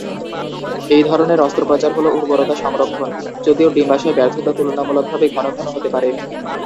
এই ধরনের অস্ত্রোপচার হল উর্বরতা-সংরক্ষণ, যদিও ডিম্বাশয় ব্যর্থতা তুলনামূলকভাবে ঘন ঘন হতে পারে।